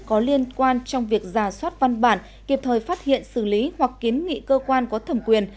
có liên quan trong việc giả soát văn bản kịp thời phát hiện xử lý hoặc kiến nghị cơ quan có thẩm quyền